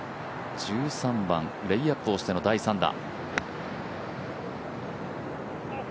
１３番、レイアップをしての第３打。